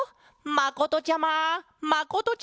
まことちゃま！